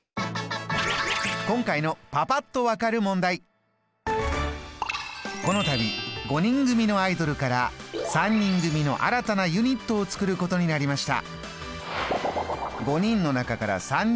今回のこのたび５人組のアイドルから３人組の新たなユニットを作ることになりました。